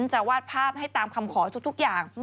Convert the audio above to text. จะวาดภาพให้ตามคำขอทุกอย่าง